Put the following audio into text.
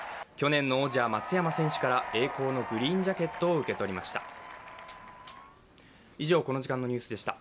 去年の王者・松山選手から栄光のグリーンジャケットを受け取りました。